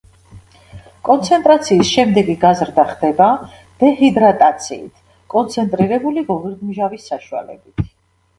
კონცენტრაციის შემდეგი გაზრდა ხდება დეჰიდრატაციით კონცენტრირებული გოგირდმჟავის საშუალებით.